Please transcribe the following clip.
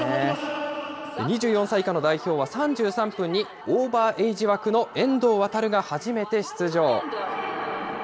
２４歳以下の代表は、３３分にオーバーエイジ枠の遠藤航が初めて出場。